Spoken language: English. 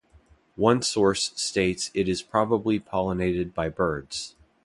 One source states it is probably pollinated by birds.